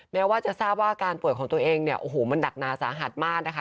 แม้ว่าจะทราบว่าการปวดของตัวเองมันดักนาสาหัสมากนะคะ